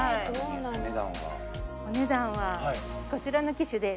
お値段はこちらの機種で。